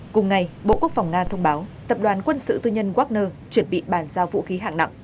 cùng ngày bộ quốc phòng nga thông báo tập đoàn quân sự tư nhân wagner chuẩn bị bàn giao vũ khí hạng nặng